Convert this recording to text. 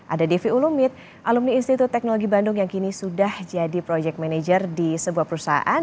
ada devi ulumid alumni institut teknologi bandung yang kini sudah jadi proyek manajer di sebuah perusahaan